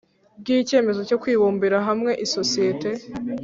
Ry icyemezo cyo kwibumbira hamwe isosiyete